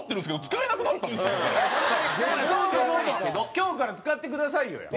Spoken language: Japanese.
今日今日から使ってくださいよやん。